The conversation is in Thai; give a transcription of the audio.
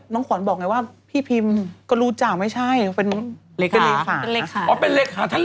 แต่เขาเล่นมายาเขาก็รู้จักกับท่านหลอดแล้วเหรอเธอ